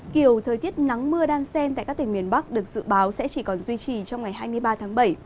kiểu thời tiết nắng mưa đan sen tại các tỉnh miền bắc được dự báo sẽ chỉ còn duy trì trong ngày hai mươi ba tháng bảy